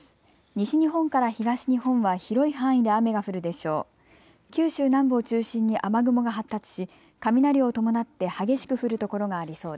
西日本から東日本は広い範囲で雨が降るでしょう。